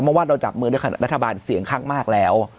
เพราะว่าเราจับมือด้วยรัฐบาลเสียงข้างมากแล้ว